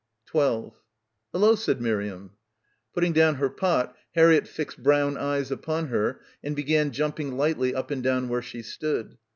12 "Hullo !" said Miriam. Putting down her pot Harriett fixed brown eyes upon her and began jumping lightly up and down where she stood.